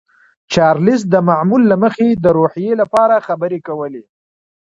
چارلیس د معمول له مخې د روحیې لپاره خبرې کولې